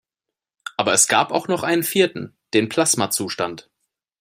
Aber es gibt auch noch einen vierten: Den Plasmazustand.